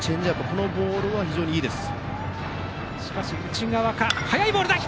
このボールは非常にいいです。